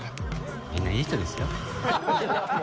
みんないい人ですよ。